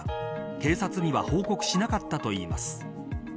警察には報告しなかったといいます。